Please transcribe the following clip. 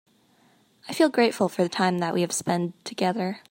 I feel grateful for the time that we have spend together.